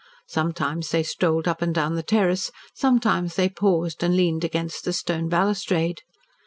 Sometimes they strolled up and down the terrace, sometimes they paused and leaned against the stone balustrade.